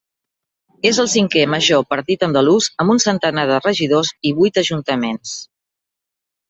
És el cinquè major partit andalús amb un centenar de regidors i vuit ajuntaments.